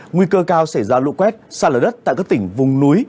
nguy cơ cao xảy ra lũ quét xa lở đất tại các tỉnh vùng núi